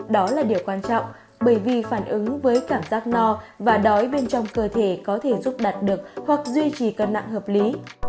đó là điều quan trọng bởi vì phản ứng với cảm giác no và đói bên trong cơ thể có thể giúp đặt được hoặc duy trì cân nặng hợp lý